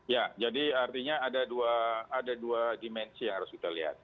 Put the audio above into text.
ya jadi artinya ada dua dimensi yang harus kita lihat